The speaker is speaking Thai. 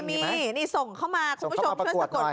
มีนี่ส่งเข้ามาคุณผู้ชมช่วยสะกด